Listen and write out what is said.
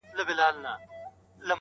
• د ځنګله شهنشاه پروت وو لکه مړی -